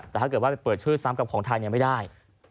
แต่ถ้าเกิดว่าไปเปิดชื่อซ้ำกับของไทยไม่ได้